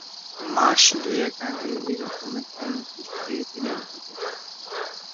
মাস দুয়েক আগে এ রকম একটা নোটিস দিয়েছিলেন ঠিকই।